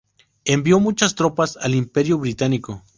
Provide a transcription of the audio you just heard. Envió muchas tropas al imperio británico.